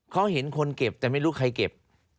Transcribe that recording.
เขาเห็นคนเก็บแต่ไม่รู้ใครเก็บ